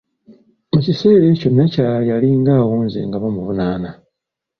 Mu kiseera ekyo nnakyala yalinga awunze nga bamuvunaana.